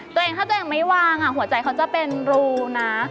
ตัวเองถ้าตัวเองไม่วางหัวใจเขาจะเป็นรูนะ